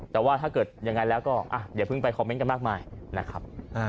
แต่ว่าถ้าเกิดยังไงแล้วก็อย่าเพิ่งไปคอมเมนต์กันมากมายนะครับ